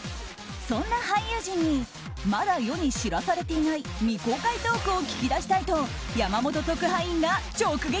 そんな俳優陣にまだ世に知らされていない未公開トークを聞き出したいと山本特派員が直撃。